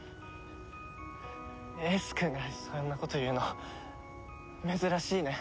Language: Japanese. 英寿くんがそんなこと言うの珍しいね。